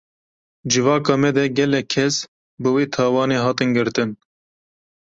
Civaka me de gelek kes, bi wê tawanê hatin girtin